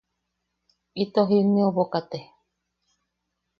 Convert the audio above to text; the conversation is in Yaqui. Ito jinneʼubo kate.